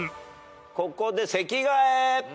ここで席替え。